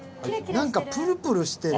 何かプルプルしてる。